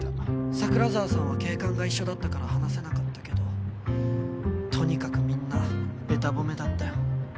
桜沢さんは警官が一緒だったから話せなかったけどとにかくみんなべた褒めだったよ。